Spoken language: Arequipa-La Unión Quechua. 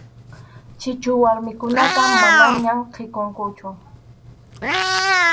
Chichu warmikunaqa manaña kʼikunkuchu.